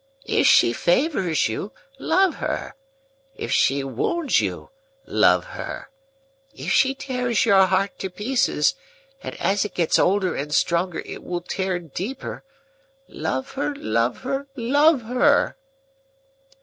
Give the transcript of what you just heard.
If she favours you, love her. If she wounds you, love her. If she tears your heart to pieces,—and as it gets older and stronger it will tear deeper,—love her, love her, love her!"